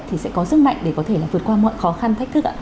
thì sẽ có sức mạnh để có thể vượt qua mọi khó khăn thách thức